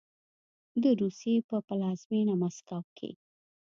د روسیې په پلازمینه مسکو کې